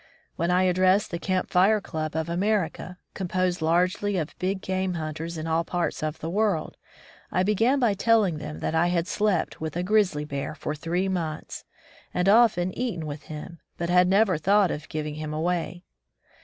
When I addressed the Camp Fire Club of America, composed largely of big game hunters in all parts of the world, I began by telling them that I had slept with a grizzly bear for three months, and often eaten with him, but had never thought of giving him away.